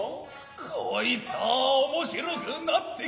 こいつァ面白くなって来た。